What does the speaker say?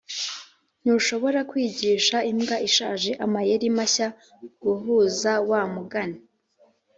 ntushobora kwigisha imbwa ishaje amayeri mashya guhuza wa mugani